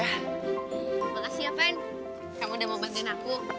terima kasih ya pan kamu udah mau bandingin aku